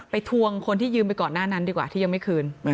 ทวงคนที่ยืมไปก่อนหน้านั้นดีกว่าที่ยังไม่คืน